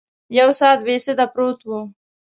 یو ساعت بې سده پرته وه.